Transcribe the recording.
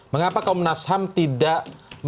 mengapa komnas ham tidak